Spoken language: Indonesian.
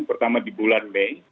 pertama di bulan mei